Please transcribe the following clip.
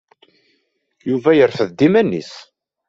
Yuba yerfed-d iman-nnes.